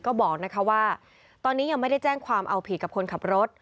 ก็บอกว่าตอนนี้ยังไม่ได้แจ้งความเอาผิดกับคนขับรถ